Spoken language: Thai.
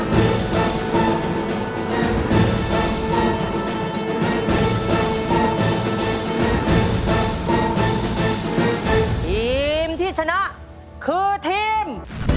ทีมที่ชนะคือทีม